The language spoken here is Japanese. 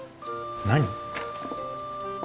何？